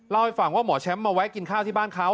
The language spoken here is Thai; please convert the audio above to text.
เล่าให้ฟังว่าหมอแชมป์มาแวะกินข้าวที่บ้านเขา